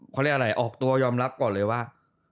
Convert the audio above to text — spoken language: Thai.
เขาเรียกอะไรออกตัวยอมรับก่อนเลยว่า